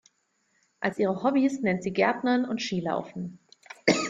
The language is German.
Als ihre Hobbys nennt sie Gärtnern und Skilaufen.